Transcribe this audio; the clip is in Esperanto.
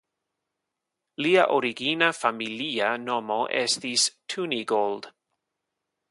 Lia origina familia nomo estis "Tunigold.